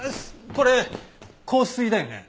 これ硬水だよね？